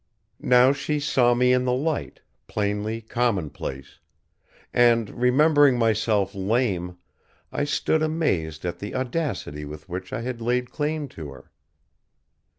Now she saw me in the light, plainly commonplace; and remembering myself lame, I stood amazed at the audacity with which I had laid claim to her.